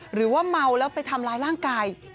หรือว่าเมาแล้วไปทำร้ายร่างกาย